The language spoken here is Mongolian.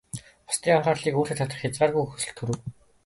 Бусдын анхаарлыг өөртөө татах хязгааргүй хүсэл төрөв.